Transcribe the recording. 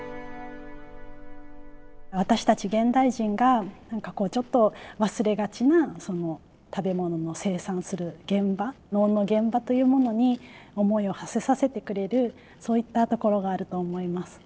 私たち現代人が何かこうちょっと忘れがちな食べ物の生産する現場農の現場というものに思いをはせさせてくれるそういったところがあると思います。